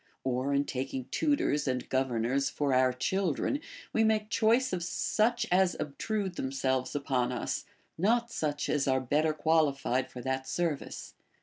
Or, in taking tutors and governors for our children, we make choice of such as obtrude themselves upon us, not such as are better qualified for that service.